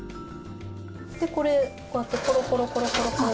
でこれこうやってコロコロコロコロコロ。